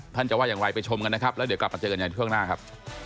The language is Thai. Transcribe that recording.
จะว่าอย่างไรไปชมกันนะครับแล้วเดี๋ยวกลับมาเจอกันใหญ่ช่วงหน้าครับ